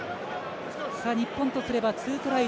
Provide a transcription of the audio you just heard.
日本とすれば２トライ